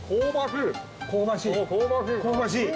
香ばしい？